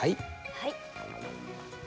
はい。